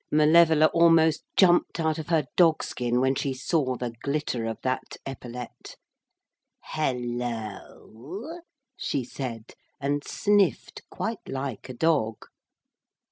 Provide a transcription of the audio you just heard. Malevola almost jumped out of her dog skin when she saw the glitter of that epaulette. 'Hullo?' she said, and sniffed quite like a dog.